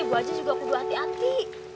bu aji juga perlu hati hati